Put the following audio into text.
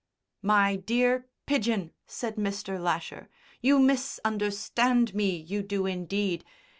"My dear Pidgen," said Mr. Lasher, "you misunderstand me, you do indeed!